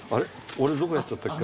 俺どこやっちゃったっけ？